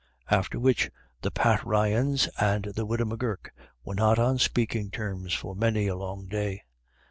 After which the Pat Ryans and the widow M'Gurk were not on speaking terms for many a long day.